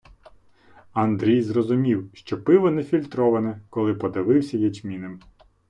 Андрій зрозумів, що пиво нефільтроване, коли подавився ячмінем.